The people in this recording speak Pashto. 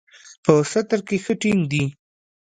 په ستر کښې ښه ټينګ دي.